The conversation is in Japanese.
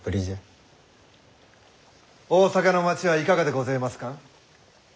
大坂の町はいかがでごぜますかん？